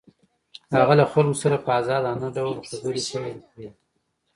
هغه له خلکو سره په ازادانه ډول خبرې پيل کړې.